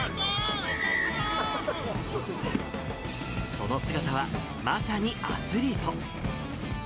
その姿はまさにアスリート。